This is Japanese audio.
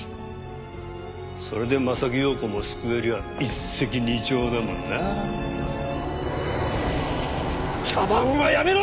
それで柾庸子も救えりゃ一石二鳥だもんな。茶番はやめろ！